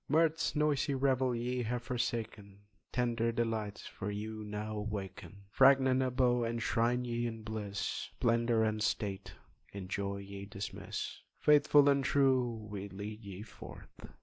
Mirth's noisy revel ye have forsaken, Tender delights for you now awaken! Fragrant abode enshrine ye in bliss, Splendour and state in joy ye dismiss, Faithful and true, we lead ye forth!"